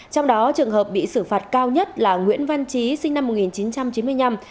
trong đó trường hợp bị xử phạt cao nhất là nguyễn văn trí sinh năm một nghìn chín trăm chín mươi năm